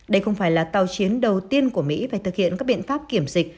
đây không phải là tàu chiến đầu tiên của mỹ phải thực hiện các biện pháp kiểm dịch